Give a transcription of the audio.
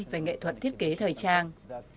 về nghệ thuật thiết kế thời trang